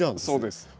そうです。